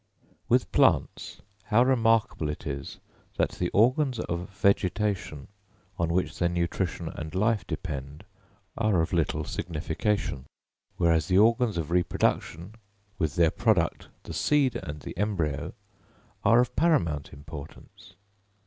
With plants how remarkable it is that the organs of vegetation, on which their nutrition and life depend, are of little signification; whereas the organs of reproduction, with their product the seed and embryo, are of paramount importance!